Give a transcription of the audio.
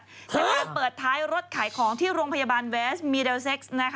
ในการเปิดท้ายรถขายของที่โรงพยาบาลเวสมีเดลเซ็กซ์